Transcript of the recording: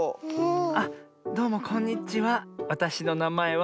あっどうもこんにちは。